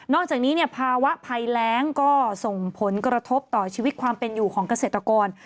จากนี้เนี่ยภาวะภัยแรงก็ส่งผลกระทบต่อชีวิตความเป็นอยู่ของเกษตรกร